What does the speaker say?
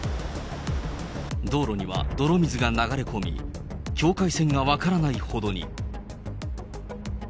道路には泥水が流れ込み、境界線が分からないほどに。